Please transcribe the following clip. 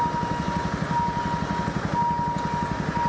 โรงพยาบาล